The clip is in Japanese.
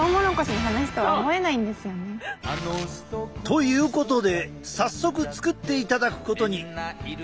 ということで早速作っていただくことに。